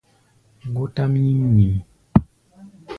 Gótʼám nyím nyǐm.